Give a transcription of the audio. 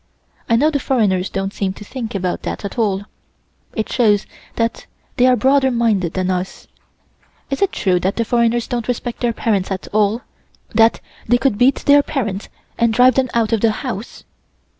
I know the foreigners don't seem to think about that at all. It shows that they are broader minded than us. Is it true that the foreigners don't respect their parents at all that they could beat their parents and drive them out of the house?"